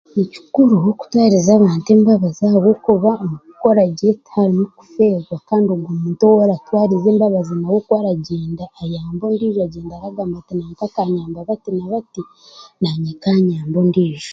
Ni kikuru ahabwokutwariza abantu embabazi ahabwokuba omu kukoragye tiharimu kufeerwa kandi omuntu ou orikuba oratwarizagye ... oyambe ondiijo araguma aragira ati nanka akanyamba bati na bati naanye kanyambe ondiijo.